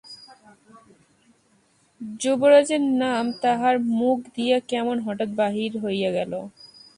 যুবরাজের নাম তাহার মুখ দিয়া কেমন হঠাৎ বাহির হইয়া গেল।